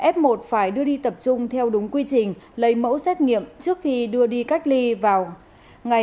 f một phải đưa đi tập trung theo đúng quy trình lấy mẫu xét nghiệm trước khi đưa đi cách ly vào ngày một mươi hai và ngày một mươi ba